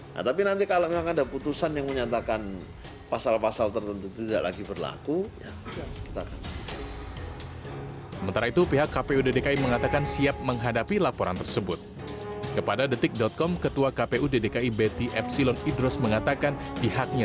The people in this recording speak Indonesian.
nah tapi nanti kalau memang ada putusan yang menyatakan pasal pasal tertentu tidak lagi berlaku